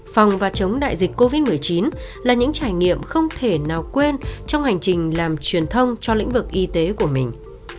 phòng và chống đại dịch covid một mươi chín là những trải nghiệm không thể nào quên trong hành trình làm truyền thông cho lĩnh vực y tế của mình